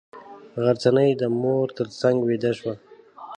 غرڅنۍ د مور تر څنګه ویده شوه.